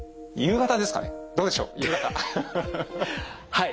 はい。